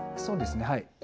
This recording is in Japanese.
そうですねはい。